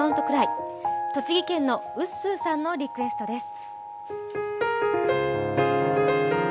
栃木県のうっすーさんのリクエストです。